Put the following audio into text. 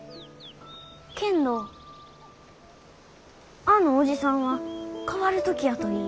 けんどあのおじさんは変わる時やと言いゆう。